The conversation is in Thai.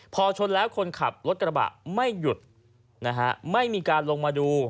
พอชนแล้วคนขับรถกระบะไม่หยุดนะฮะไม่มีการลงมาดู